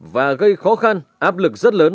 và gây khó khăn áp lực rất lớn